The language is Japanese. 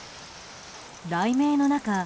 雷鳴の中